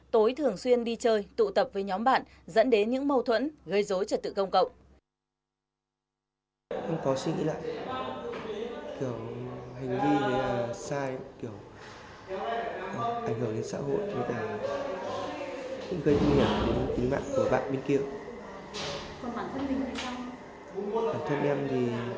tối thường xuyên đi chơi tụ tập với nhóm bạn dẫn đến những mâu thuẫn gây dối trật tự công cộng